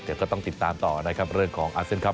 แต่ก็ต้องติดตามต่อนะครับเรื่องของอาเซียนครับ